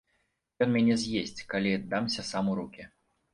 Ён мяне з'есць, калі дамся сам у рукі.